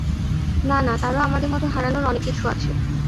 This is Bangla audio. না, না, তারও আমাদের মতো হারানোর অনেককিছু আছে।